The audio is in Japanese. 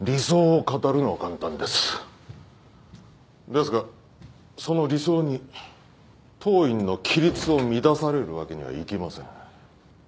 ですがその理想に当院の規律を乱されるわけにはいきません。